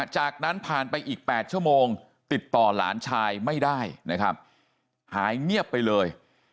จากนั้นผ่านไปอีก๘ชั่วโมงติดต่อหลานชายไม่ได้นะครับหายเงียบไปเลย